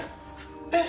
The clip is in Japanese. えっ！？